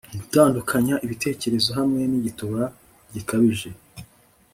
gutandukanya ibitekerezo hamwe nigituba gikabije